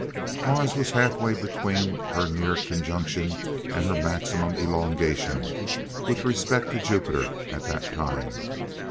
Mars was half way between her near conjunction and her maximum elongation with respect to Jupiter at that time.